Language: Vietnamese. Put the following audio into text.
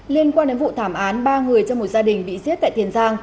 liên quan đến vụ thảm án ba người trong một gia đình bị giết tại tiền giang